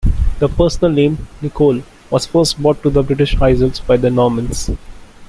The personal name "Nicol" was first brought to the British Isles by the Normans.